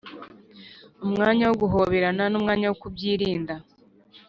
Umwanya woguhoberana numwanya wo kubyirinda